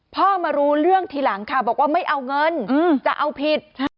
พ่อมารู้เรื่องทีหลังค่ะบอกว่าไม่เอาเงินจะเอาผิด